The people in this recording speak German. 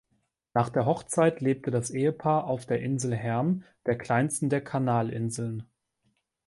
Nach der Hochzeit lebte das Ehepaar auf der Insel Herm, der kleinsten der Kanalinseln.